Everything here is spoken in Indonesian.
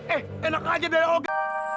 eh enak aja dari olga